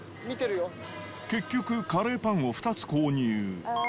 結局、カレーパンを２つ購入。